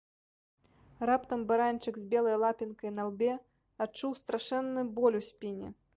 Раптам баранчык з белай лапінкай на лбе адчуў страшэнны боль у спіне.